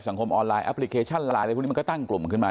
สังคมออนไลน์อัปพลิเคชันอะไรพวกนี้มันก็ตั้งกลุ่มขึ้นมา